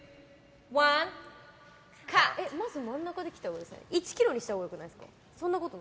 まず真ん中で切って１ｋｇにしたほうが良くないですか。